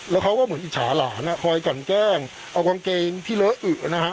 แล้วเขาก็เหมือนอิจฉาหลานคอยกันแกล้งเอากางเกงที่เลอะอึนะฮะ